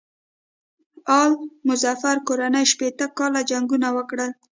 آل مظفر کورنۍ شپېته کاله جنګونه وکړل.